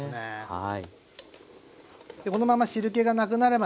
はい。